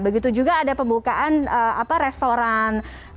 begitu juga ada pembukaan restoran